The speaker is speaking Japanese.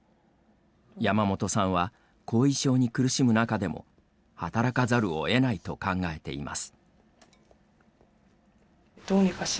山本さんは後遺症に苦しむ中でも働かざるをえないと考えています。